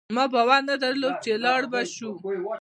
ما باور نه درلود چي لاړ به شو